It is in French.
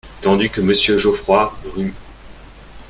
Tandis que Monsieur Geoffroy Ru…